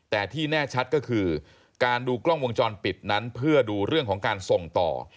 แต่ที่แน่ชัดก็คือการดูกล้องวงจรปิดนั้นเพื่อดูเรื่องของการส่งต่อ